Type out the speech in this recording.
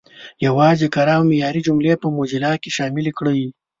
یوازې کره او معیاري جملې په موزیلا کې شامل کړئ.